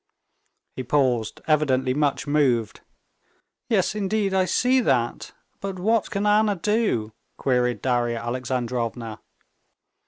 He paused, evidently much moved. "Yes, indeed, I see that. But what can Anna do?" queried Darya Alexandrovna.